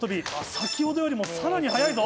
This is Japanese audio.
先ほどよりもさらに早いぞ！